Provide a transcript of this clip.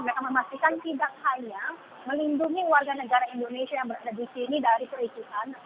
mereka memastikan tidak hanya melindungi warga negara indonesia yang berada di sini dari kericuhan